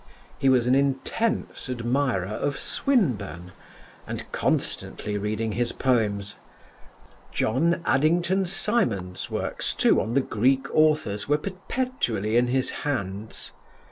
"He was an intense admirer of Swinburne and constantly reading his poems; John Addington Symond's works too, on the Greek authors, were perpetually in his hands.